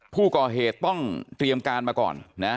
ผู้ก่อเหตุต้องเตรียมการมาก่อนนะ